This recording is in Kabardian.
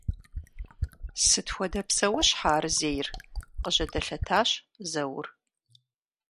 — Сыт хуэдэ псэущхьэ ар зейр? — къыжьэдэлъэтащ Заур.